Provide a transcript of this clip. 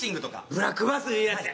ブラックバスいうやつや。